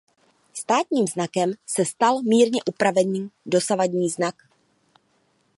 Státním znakem se stal mírně upravený dosavadní znak.